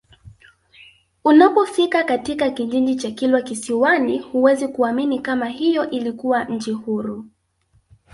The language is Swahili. Unapofika katika kijiji cha Kilwa Kisiwani huwezi kuamini kama hiyo ilikuwa nchi huru